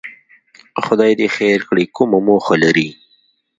خدای دې خیر کړي، کومه موخه لري؟